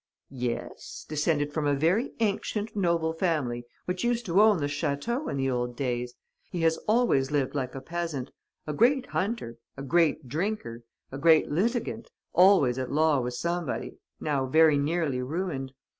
"'Yes, descended from a very ancient, noble family which used to own the château in the old days. He has always lived like a peasant: a great hunter, a great drinker, a great litigant, always at law with somebody, now very nearly ruined.